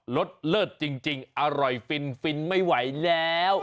สเลิศจริงอร่อยฟินฟินไม่ไหวแล้ว